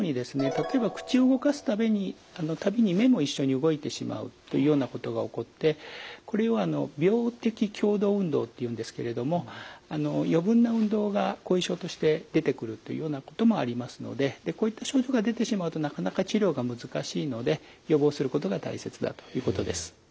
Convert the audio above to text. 例えば口を動かすたびに目も一緒に動いてしまうというようなことが起こってこれを病的共同運動っていうんですけれども余分な運動が後遺症として出てくるというようなこともありますのででこういった症状が出てしまうとなかなか治療が難しいので予防することが大切だということです。